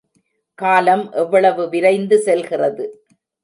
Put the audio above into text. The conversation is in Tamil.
காலம் எவ்வளவு விரைந்து செல்கிறது!